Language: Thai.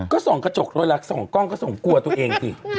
ก็ส่องกระจกโดยละส่องกล้องก็ส่งกลัวตัวเองสิ